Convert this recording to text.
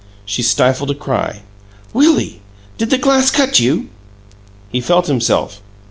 She stifled a cry. "WILLIE! Did the glass cut you?" He felt himself.